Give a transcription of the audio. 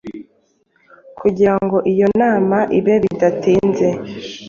kugira ngo iyo nama ibe bidatinze.